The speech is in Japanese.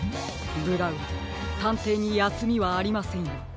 ブラウンたんていにやすみはありませんよ。